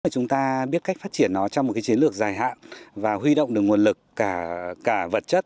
chúng ta biết cách phát triển nó trong một chiến lược dài hạn và huy động được nguồn lực cả vật chất